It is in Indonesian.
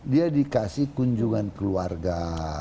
dia dikasih kunjungan keluarga